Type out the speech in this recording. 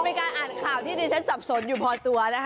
มีการอ่านข่าวที่ดิฉันสับสนอยู่พอตัวนะคะ